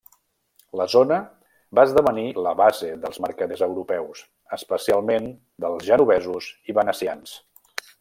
La zona va esdevenir la base dels mercaders europeus, especialment dels genovesos i venecians.